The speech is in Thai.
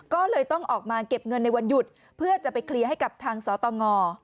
ก็เลยต้องออกมาเก็บเงินในวันหยุดเพื่อจะไปเคลียร์ให้กับทางสตง